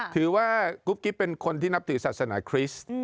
ถือว่ากุ๊บกิ๊บเป็นคนที่นับถือศาสนาคริสต์